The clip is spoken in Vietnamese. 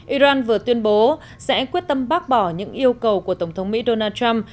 iran vừa tuyên bố sẽ quyết tâm bác bỏ những yêu cầu của tổng thống mỹ donald trump